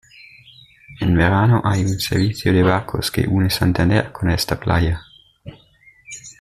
En verano hay un servicio de barcos que une Santander con esta playa.